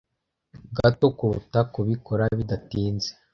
gato kuruta kubikora bidatinze